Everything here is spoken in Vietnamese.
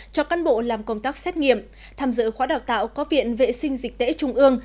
cho cán bộ làm công tác xét nghiệm tham dự khóa đào tạo có viện vệ sinh dịch tễ trung ương